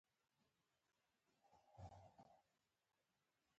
د محترم استاد د لا بریاوو په هیله